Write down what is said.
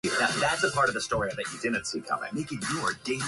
Characters can retreat into a defensive shell to recharge their meter.